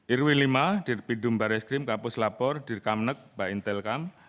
irwin v dir pidum baris grim kapus lapor dir kamnek mbak intel kam